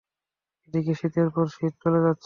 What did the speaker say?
এদিকে শীতের পর শীত চলে যাচ্ছে।